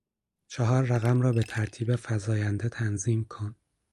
چهار رقم را به ترتیب فزاینده تنظیم کن.